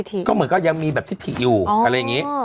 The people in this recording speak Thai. ก็เหมือนก็ยังมีแบบทิศถิอยู่อะไรอย่างนี้